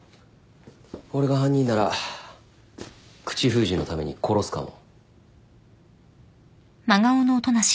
俺が犯人なら口封じのために殺すかも。